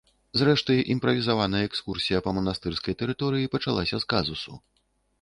Зрэшты, імправізаваная экскурсія па манастырскай тэрыторыі пачалася з казусу.